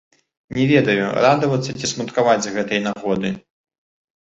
Не ведаю, радавацца ці смуткаваць з гэтай нагоды.